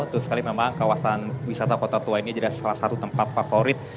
betul sekali memang kawasan wisata kota tua ini jadi salah satu tempat favorit